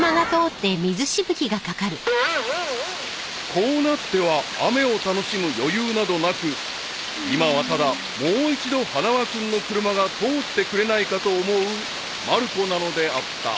［こうなっては雨を楽しむ余裕などなく今はただもう一度花輪君の車が通ってくれないかと思うまる子なのであった］